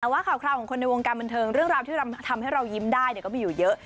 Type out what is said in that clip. แต่ว่าข่าวของคนในวงการบันเทิงเรื่องราวที่ทำให้เรายิ้มได้ก็มีอยู่เยอะ